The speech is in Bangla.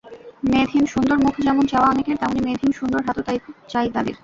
মেদহীন সুন্দর মুখ যেমন চাওয়া অনেকের, তেমনি মেদহীন সুন্দর হাতও চাই তাঁদের।